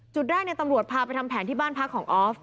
จุดแรกตำรวจพาไปทำแผนที่บ้านพักของออฟ